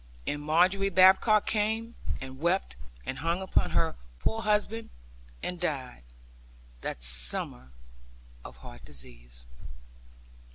And Margery Badcock came, and wept, and hung upon her poor husband; and died, that summer, of heart disease.